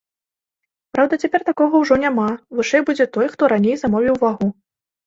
Праўда, цяпер такога ўжо няма, вышэй будзе той, хто раней замовіў вагу.